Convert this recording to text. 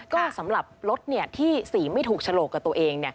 ก็สำหรับรถที่สีไม่ถูกฉลกกับตัวเอง